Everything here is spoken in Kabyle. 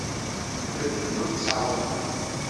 Ula d yiwen ur t-ttɛawaneɣ.